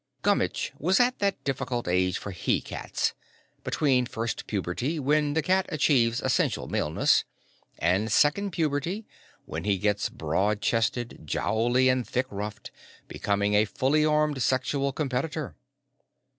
Gummitch was at that difficult age for he cats, between First Puberty, when the cat achieves essential maleness, and Second Puberty, when he gets broad chested, jowly and thick ruffed, becoming a fully armed sexual competitor.